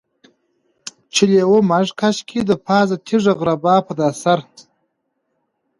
چې لېوه مږه کش کي دپاسه تيږه غربا په دا سر.